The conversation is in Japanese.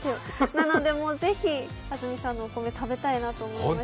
なのでぜひ安住さんのお米、食べたいと思いました。